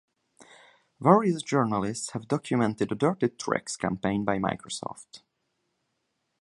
Various journalists have documented a "dirty tricks" campaign by Microsoft.